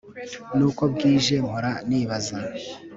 nuko bwije mpora nibaza